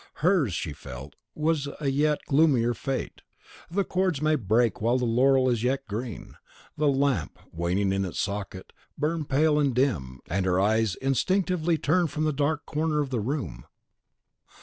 Hers, she felt, was a yet gloomier fate, the chords may break while the laurel is yet green. The lamp, waning in its socket, burned pale and dim, and her eyes instinctively turned from the darker corner of the room.